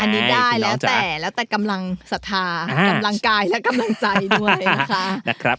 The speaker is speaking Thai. อันนี้ได้แล้วแต่แล้วแต่กำลังศรัทธากำลังกายและกำลังใจด้วยนะคะ